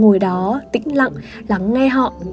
người đó tĩnh lặng lắng nghe họ